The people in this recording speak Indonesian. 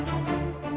aku mau percaya dia